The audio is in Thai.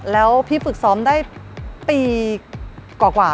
แล้วพี่ฝึกซ้อมได้ปีกว่า